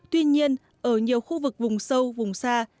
tuy nhiên ở nhiều khu vực vùng sâu vùng xa